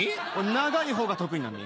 長いほうが得意なんで。